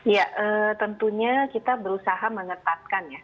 ya tentunya kita berusaha mengetatkan ya